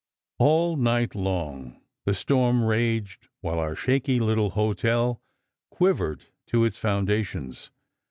All night long the storm raged while our shaky little hotel quivered to its foundations.